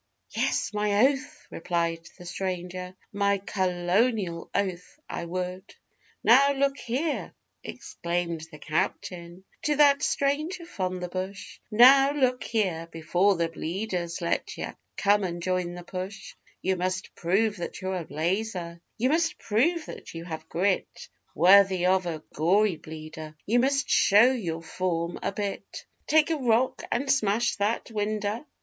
'Yes, my oath!' replied the stranger. 'My kerlonial oath! I would!' 'Now, look here,' exclaimed the captain to that stranger from the bush, 'Now, look here before the Bleeders let yer come and join the push, You must prove that you're a blazer you must prove that you have grit Worthy of a Gory Bleeder you must show your form a bit Take a rock and smash that winder?